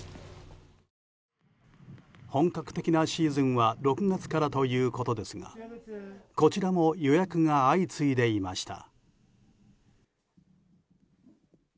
本格的なシーズンは６月からということですがこちらも予約が相次いでいました。